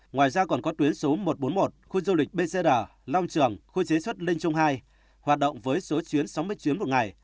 ngoài ra còn có tuyến số một trăm bốn mươi một khu du lịch bcd long trường khu chế xuất linh trung hai hoạt động với số chuyến sáu mươi chuyến một ngày